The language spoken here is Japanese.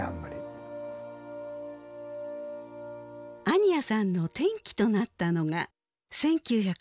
安仁屋さんの転機となったのが１９６４年。